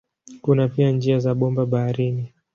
Kuna pia njia za bomba baharini.